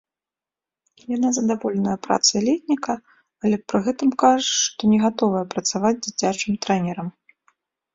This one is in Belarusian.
Яна задаволеная працай летніка, але пры гэтым кажа, што не гатовая працаваць дзіцячым трэнерам.